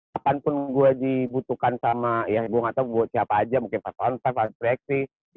kapanpun gue dibutuhkan sama ya gue gak tau siapa aja mungkin fast on fire fast track free